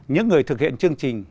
những người thực hiện chương trình